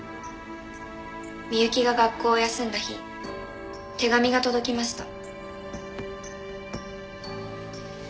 美雪が学校を休んだ日手紙が届きました。